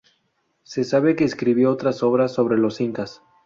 Se sabe que escribió otras obras sobre los incas.